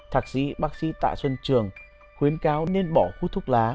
thạc sĩ bác sĩ tạ xuân trường khuyến cáo nên bỏ hút thuốc lá